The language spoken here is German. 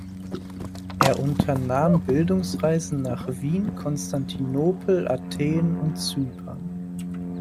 Er unternahm Bildungsreisen nach Wien, Konstantinopel, Athen und Zypern.